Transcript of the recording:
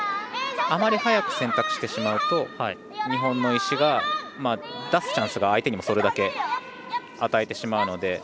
あまり早く選択してしまうと、日本の石が出すチャンスが相手にもそれだけ与えてしまうので。